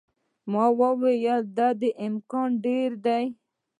ما وویل، د دې امکان ډېر دی.